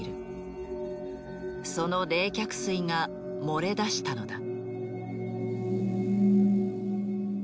その冷却水が漏れ出したのだ。